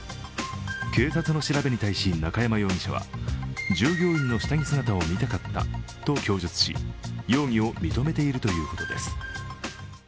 警察の調べに対し、中山容疑者は従業員の下着姿を見たかったと供述し容疑を認めているということです。